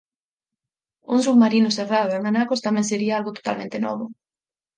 Un submarino serrado en anacos tamén sería algo totalmente novo.